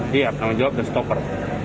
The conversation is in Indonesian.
dia penanggung jawab dan stopper